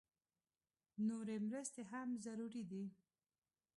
نورې مرستې هم ضروري دي